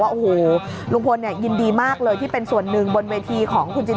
โอ้โหลุงพลยินดีมากเลยที่เป็นส่วนหนึ่งบนเวทีของคุณจิน